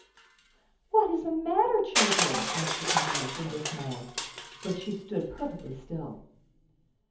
"What is the matter, children?" asked their governess, in dismay; but she stood perfectly still.